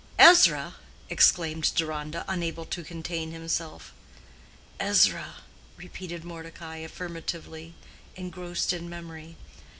'" "Ezra!" exclaimed Deronda, unable to contain himself. "Ezra," repeated Mordecai, affirmatively, engrossed in memory.